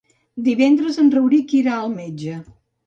Divendres en Rauric irà al metge.